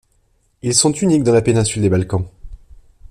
Ils sont uniques dans la péninsule des Balkans.